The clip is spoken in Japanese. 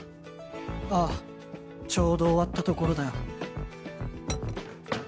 ああちょうど終わったところだよ。